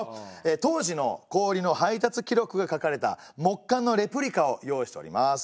当時の氷の配達記録が書かれた木簡のレプリカを用意しております。